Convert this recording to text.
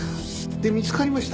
で見つかりました？